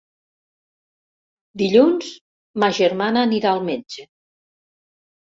Dilluns ma germana anirà al metge.